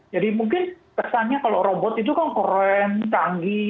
jadi mungkin kesannya kalau robot itu kan keren canggih